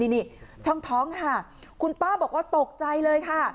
นี่ช่องท้องค่ะคุณป้าบอกว่าตกใจเลยค่ะ